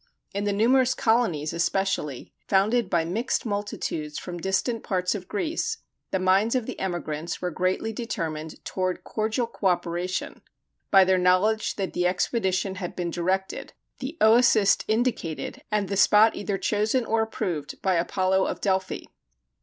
In the numerous colonies especially, founded by mixed multitudes from distant parts of Greece, the minds of the emigrants were greatly determined toward cordial coöperation by their knowledge that the expedition had been directed, the oecist indicated, and the spot either chosen or approved by Apollo of Delphi.